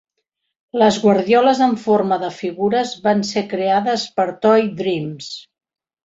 Les guardioles en forma de figures van ser creades per Toy Dreams.